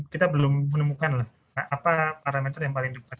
kita belum menemukan lah apa parameter yang paling dekat